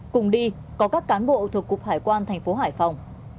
cùng đi có các cán bộ thuộc cục hải quan thành phố hải phòng